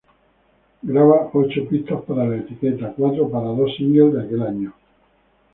Graba ocho pistas para la etiqueta, cuatro para dos singles de aquel año.